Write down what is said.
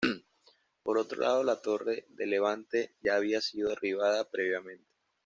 Por otro lado la torre de levante ya había sido derribada previamente.